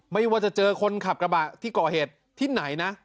ไม่ว่าจะเจอคนขับกระบะที่ก่อเหตุที่ไหนนะ